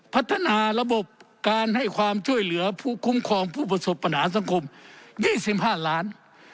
พัฒนาระบบการให้ความช่วยเหลือผู้คุ้มครองผู้ประสบปัญหาสังคม๒๕ล้าน